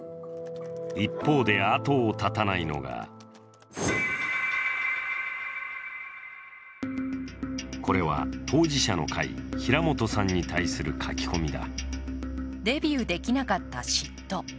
一方で後を絶たないのがこれは当事者の会、平本さんに対する書き込みだ。